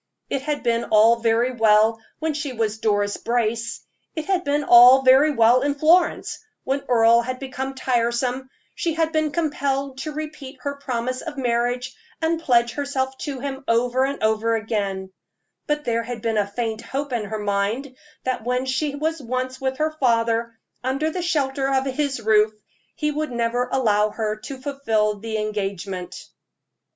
It had been all very well when she was Doris Brace it had been all very well in Florence, when Earle had become tiresome, she had been compelled to repeat her promise of marriage, and pledge herself to him over and over again; but there had been a faint hope in her mind that when she was once with her father, under the shelter of his roof, he would never allow her to fulfill the engagement.